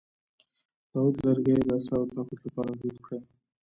د عود لرګی د اعصابو د تقویت لپاره دود کړئ